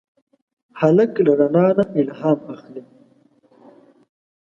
هلک له رڼا نه الهام اخلي.